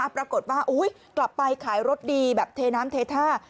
ปรากฏว่ากลับไปขายรถดีแบบเทน้ำเทท่า